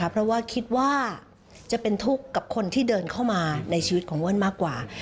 เพราะว่าคิดว่าจะเป็นทุกข์กับคนที่เดินเข้ามาในชีวิตของอ้วนมากกว่า